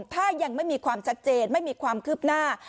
ถ้ายังไม่มีความชัดเจนไม่มีความคืบหน้า